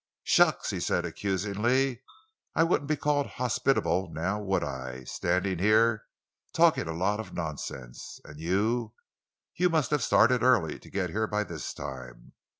"Shucks!" he said, accusingly; "I wouldn't be called hospitable—now, would I? Standing here, talking a lot of nonsense, and you—you must have started early to get here by this time!"